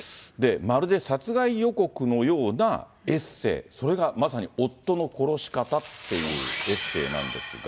まるで殺害予告のようなエッセー、それがまさに夫の殺し方っていうエッセーなんですが。